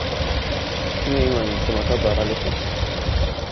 La Harpie vole en une génération entre début juin et la mi-août selon l'altitude.